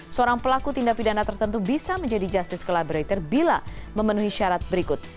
seorang pelaku tindak pidana tertentu bisa menjadi justice collaborator bila memenuhi syarat berikut